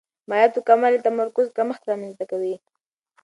مایعاتو کموالی د تمرکز کمښت رامنځته کوي.